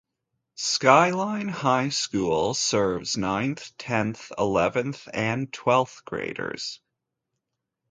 Skyline High School serves ninth, tenth, eleventh, and twelfth graders.